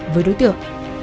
với đối tượng